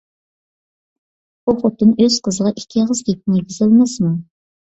ئۇ خوتۇن ئۆز قىزىغا ئىككى ئېغىز گېپىنى يېگۈزەلمەسمۇ؟